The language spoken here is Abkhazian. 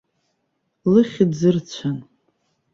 Лыхьыӡ ырцәан.